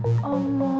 atau ini sudah semuanya